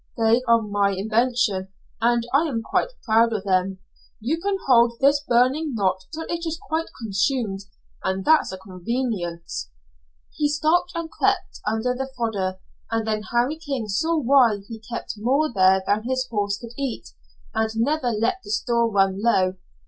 They are my invention, and I am quite proud of them. You can hold this burning knot until it is quite consumed, and that's a convenience." He stooped and crept under the fodder, and then Harry King saw why he kept more there than his horse could eat, and never let the store run low.